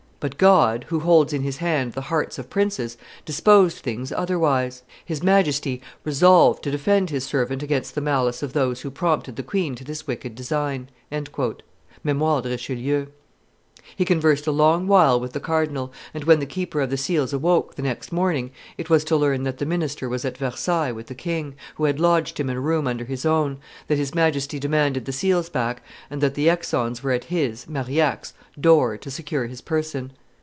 But God, who holds in His hand the hearts of princes, disposed things otherwise: his Majesty resolved to defend his servant against the malice of those who prompted the queen to this wicked design." [Memoires de Richelieu.] He conversed a long while with the cardinal, and when the keeper of the seals awoke the next morning, it was to learn that the minister was at Versailles with the king, who had lodged him in a room under his own, that his Majesty demanded the seals back, and that the exons were at his, Marillac's, door to secure his person.